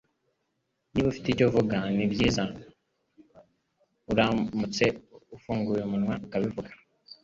Niba ufite icyo uvuga, nibyiza uramutse ufunguye umunwa ukabivuga.